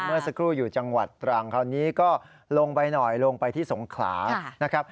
เมื่อสักครู่อยู่จังหวัดตรังคราวนี้ก็ลงไปหน่อยลงไปที่สงขลานะครับ